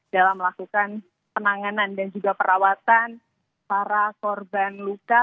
dalam melakukan penanganan dan juga perawatan para korban luka